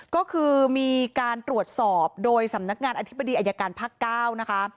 ก็คือมีการตรวจสอบโดยสำนักงานอธิบดีอายการภาค๙นะคะ